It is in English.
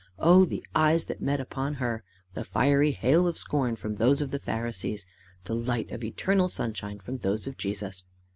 Oh! the eyes that met upon her! The fiery hail of scorn from those of the Pharisees the light of eternal sunshine from those of Jesus!